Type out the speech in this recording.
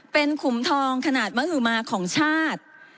เป็นขุมทองขนาดมหมาของชาติ